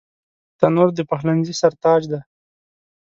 تنور د پخلنځي سر تاج دی